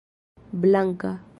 blanka